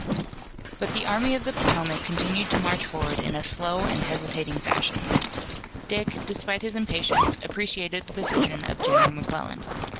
But the Army of the Potomac continued to march forward in a slow and hesitating fashion. Dick, despite his impatience, appreciated the position of General McClellan.